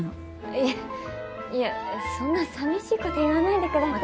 いやいやそんな寂しいこと言わないでください。